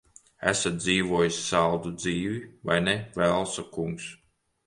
Esat dzīvojis saldu dzīvi, vai ne, Velsa kungs?